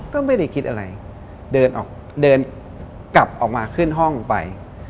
ก็ไม่ได้คิดอะไร